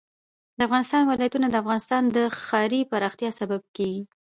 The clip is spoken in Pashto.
د افغانستان ولايتونه د افغانستان د ښاري پراختیا سبب کېږي.